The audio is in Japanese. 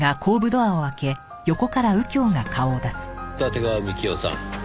騨手川幹夫さん